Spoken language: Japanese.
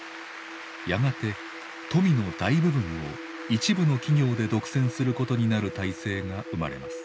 やがて富の大部分を一部の企業で独占することになる体制が生まれます。